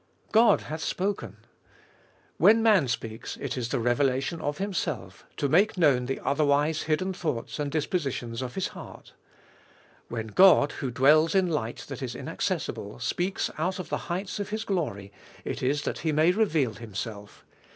God hath spoken ! When man speaks it is the revelation of himself, to make known the otherwise hidden thoughts and dispositions of his heart. When God, who dwells in light that is inaccessible, speaks out of the heights of His glory, it is that He may reveal Himself.